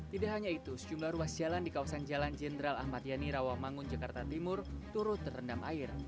tidak hanya itu sejumlah ruas jalan di kawasan jalan jenderal ahmad yani rawamangun jakarta timur turut terendam air